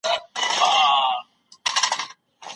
ادبي څېړنه ډېره پوهه غواړي.